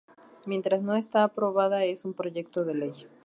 Mientras no está aprobada es un proyecto de ley.